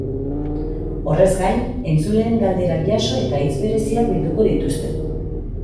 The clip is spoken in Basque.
Horrez gain, entzuleen galderak jaso eta hitz bereziak bilduko dituzte.